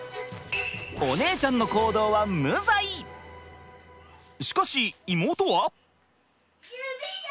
お姉ちゃんの行動はしかし妹は？